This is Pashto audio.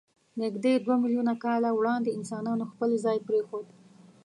نږدې دوه میلیونه کاله وړاندې انسانانو خپل ځای پرېښود.